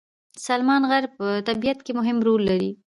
سلیمان غر په طبیعت کې مهم رول لري.